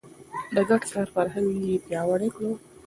د ګډ کار فرهنګ يې پياوړی کړ.